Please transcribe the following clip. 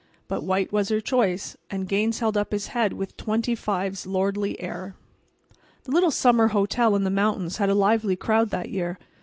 But white was her choice, and Gaines held up his head with twenty five's lordly air. The little summer hotel in the mountains had a lively crowd that year.